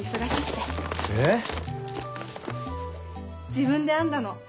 自分で編んだの。